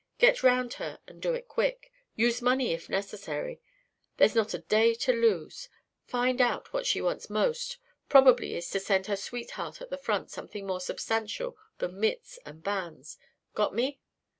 Get 'round her and do it quick. Use money if necessary. There's not a day to lose. Find out what she wants most probably it's to send her sweetheart at the front something more substantial than mitts and bands. Got me?"